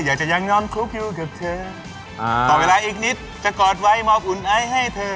ยังจะยังนอนคลุกอยู่กับเธออ่าต่อเวลาอีกนิดจะกอดไว้มาอุ่นไอซ์ให้เธอ